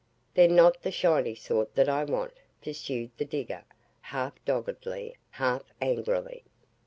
"They're not the SHINY sort that I want," pursued the digger, half doggedly, half angrily.